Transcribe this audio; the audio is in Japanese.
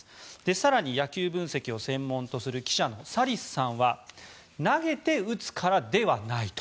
更に野球分析を専門とする記者のサリスさんは投げて打つからではないと。